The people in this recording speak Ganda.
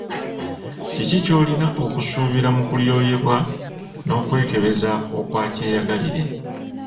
Kiki ky’olina okusuubira mu kulyoyebwa n’okwekebeza okwa kyeyagalire?